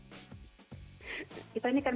kita ini kan berpengalaman